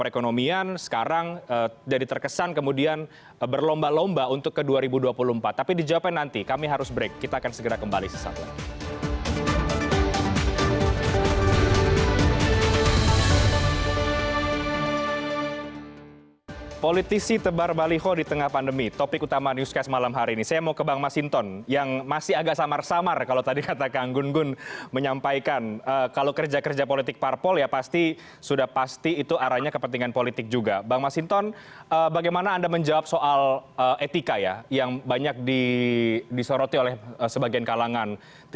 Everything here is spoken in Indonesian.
legitimasi legitimasi itu misalnya tingkat keterpilihannya meningkat